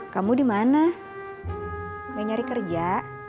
kamu dimana gak nyari kerja